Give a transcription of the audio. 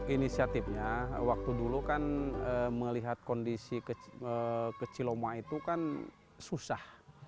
inisiatifnya waktu dulu kan melihat kondisi ke ciloma itu kan susah